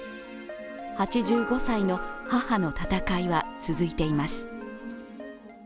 ８５歳の母の闘いは続いています。